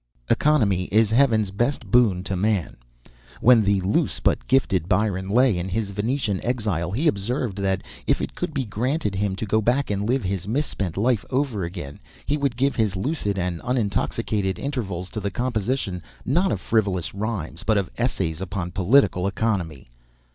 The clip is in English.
] economy is heaven's best boon to man." When the loose but gifted Byron lay in his Venetian exile he observed that, if it could be granted him to go back and live his misspent life over again, he would give his lucid and unintoxicated intervals to the composition, not of frivolous rhymes, but of essays upon political economy.